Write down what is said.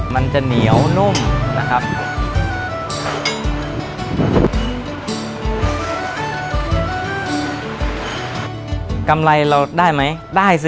มันจะเหนียวนุ่มนะครับผม